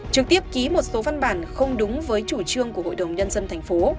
trực tiếp ký một số văn bản không đúng với chủ trương của hội đồng nhân dân tp